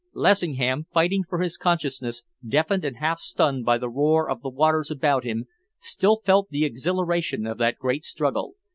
Lessingham, fighting for his consciousness, deafened and half stunned by the roar of the waters about him, still felt the exhilaration of that great struggle.